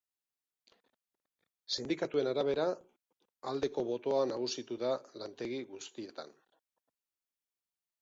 Sindikatuen arabera, aldeko botoa nagusitu da lantegi guztietan.